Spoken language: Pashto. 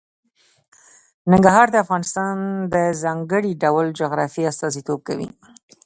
ننګرهار د افغانستان د ځانګړي ډول جغرافیه استازیتوب کوي.